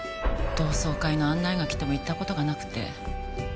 同窓会の案内がきても行った事がなくて。